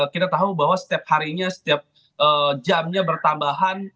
kita tahu bahwa setiap harinya setiap jamnya bertambahan